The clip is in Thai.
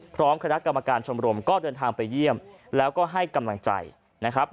พร้อมคณะกรรมการชมรมก็เดินทางไปเยี่ยมแล้วก็ให้กำลังใจนะครับ